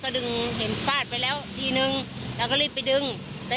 ก็ดึงเห็นฟาดไปแล้วทีนึงแล้วก็รีบไปดึงแต่